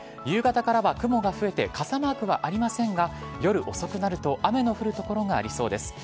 夕方からは雲が増えて傘マークはありませんが夜遅くなると雨の降る所がありそうです。